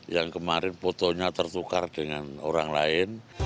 yang kemarin fotonya tertukar dengan orang lain